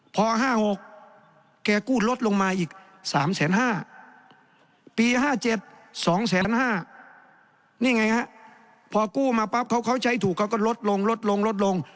พอ๕๖แกกู้ลดลงมาอีก๓๕๐๐ปี๕๗๒๕๐๐นี่ไงฮะพอกู้มาปั๊บเขาใช้ถูกเขาก็ลดลงลดลงลดลง